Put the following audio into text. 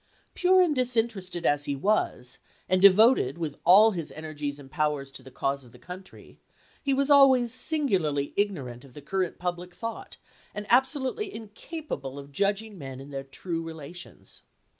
Pure and disinterested as he was, and devoted with all his energies and powers to the cause of the country, he was always singularly ignorant of the current public thought and abso lutely incapable of judging men in their true relations.